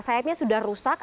sayapnya sudah rusak